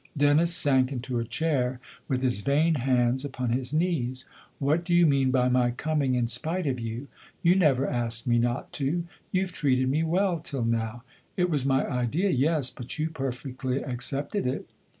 Dennis sank into a chair with his vain hands upon his knees. " What do you mean by my coming in spite of you ? You never asked me not to you've treated me well till now. It was my idea yes ; but you perfectly accepted it."